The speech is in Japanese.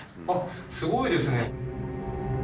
あっすごいですね。